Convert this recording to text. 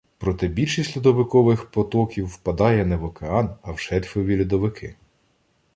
Проте більшість льодовикових потоків впадає не в океан, а в шельфові льодовики.